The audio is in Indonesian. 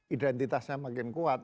identitasnya makin kuat